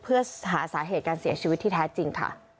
เพื่อหาสาเหตุการเสียชีวิตที่แท้จริงค่ะ